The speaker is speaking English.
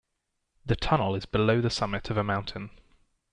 The tunnel is below the summit of a mountain.